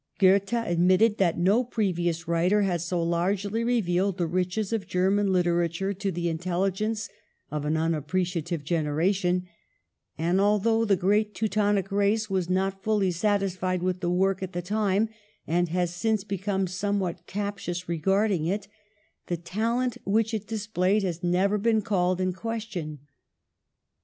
Goethe admitted that no previous writer had so largely revealed the riches of German lit erature to the intelligence of an unappreciative generation ; and although the great Teutonic race was not fully satisfied with the work at the time, and has since become somewhat captious regarding it, the talent which it displayed has never been called in question.